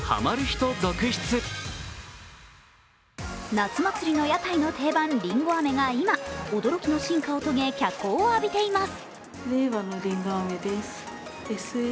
夏祭りの屋台の定番、りんご飴が今、驚きの進化を遂げ脚光を浴びています。